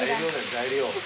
材料。